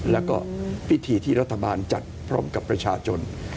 แล้วก็พิธีที่รัฐบาลจัดพร้อมกับประชาชน